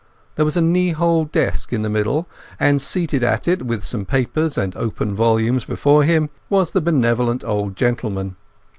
There was a knee hole desk in the middle, and seated at it, with some papers and open volumes before him, was the benevolent old gentleman.